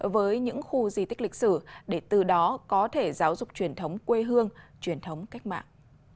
với những khu di tích lịch sử để từ đó có thể giáo dục truyền thống quê hương truyền thống cách mạng